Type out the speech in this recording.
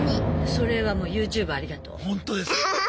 それはもうＹｏｕＴｕｂｅありがとう。ほんとです。